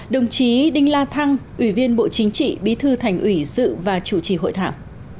đồng chí đinh la thăng ủy viên bộ chính trị bí thư thành ủy dự và chủ trì hội thảo